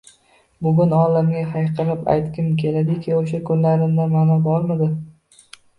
Bugun olamga hayqirib aytgim keladiki, oʻsha kunlarimda maʼno bormidi?